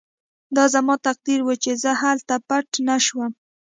دا زما تقدیر و چې زه هلته پټ نه شوم